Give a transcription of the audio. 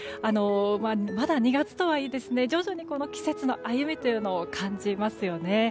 まだ２月とはいえ徐々に季節の歩みというのを感じますよね。